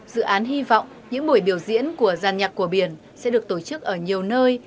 dự án hy vọng những buổi biểu diễn của gian nhạc của biển sẽ được tổ chức ở nhiều nơi